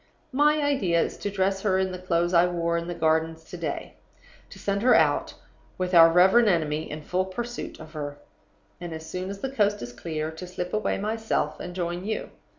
"My idea is to dress her in the clothes I wore in the Gardens to day; to send her out, with our reverend enemy in full pursuit of her; and, as soon as the coast is clear, to slip away myself and join you.